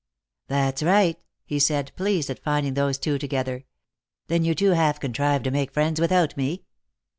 " That's right," he said, pleased at finding those two together. " Then you two have contrived to make friends without me?